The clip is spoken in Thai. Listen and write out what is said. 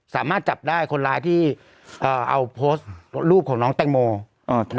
สามารถจับได้คนร้ายที่เอ่อเอาโพสต์รูปของน้องแตงโมเอ่อ